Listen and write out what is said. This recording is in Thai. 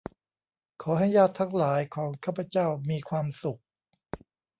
ขอให้ญาติทั้งหลายของข้าพเจ้ามีความสุข